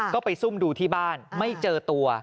ก็ไปซุ่มดูที่บ้านไม่เจอตัว